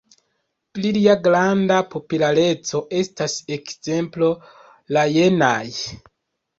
Pri lia granda populareco estas ekzemplo la jenaj.